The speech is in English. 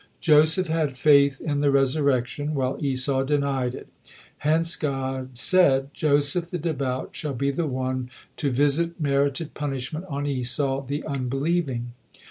Joseph had faith in the resurrection, while Esau denied it; hence God said, "Joseph, the devout, shall be the one to visit merited punishment on Esau, the unbelieving."